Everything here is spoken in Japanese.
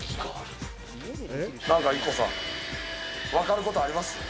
なんかＩＫＫＯさん、分かることあります？